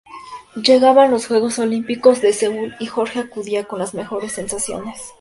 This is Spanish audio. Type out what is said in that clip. Llegaban los Juegos Olímpicos de Seúl y Jorge acudía con las mejores sensaciones.